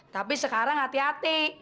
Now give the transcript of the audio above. tapi sekarang hati hati